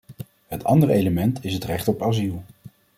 Het andere element is het recht op asiel.